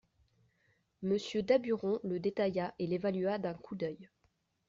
Monsieur Daburon le détailla et l'évalua d'un coup d'œil.